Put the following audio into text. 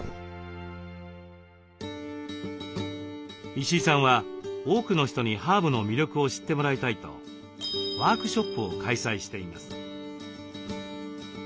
石井さんは多くの人にハーブの魅力を知ってもらいたいとワークショップを開催しています。